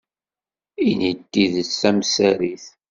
Ini-d tidet tamsarit.